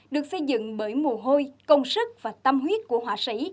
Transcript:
được xây dựng bởi mồ hôi công sức và tâm huyết của họa sĩ